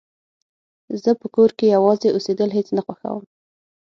زه په کور کې يوازې اوسيدل هيڅ نه خوښوم